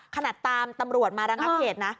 ขนาดตามตำรวจมาระงับเหตุนะ